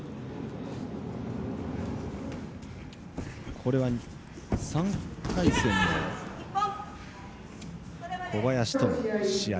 これは３回戦の小林との試合。